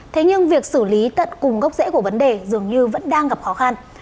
thế nhưng việc xử lý tận cùng gốc rễ của vấn đề dường như vẫn đang gặp khó khăn